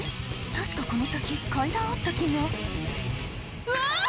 確かこの先階段あった気がうわ！